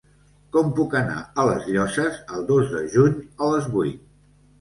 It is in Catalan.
Com puc anar a les Llosses el dos de juny a les vuit?